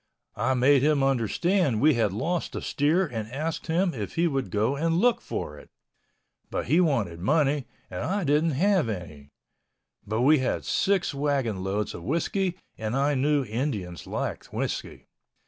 I made him understand we had lost a steer and asked him if he would go and look for it. But he wanted money and I didn't have any ... but we had six wagon loads of whiskey and I knew Indians liked whiskey.